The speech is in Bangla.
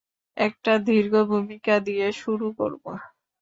একটা দীর্ঘ ভূমিকা দিয়ে শুরু করব।